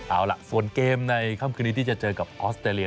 เอาล่ะส่วนเกมในค่ำคืนนี้ที่จะเจอกับออสเตรเลี